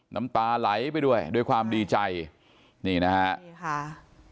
น้ำตาไหลไปด้วยด้วยความดีใจนี่นะฮะนี่ค่ะ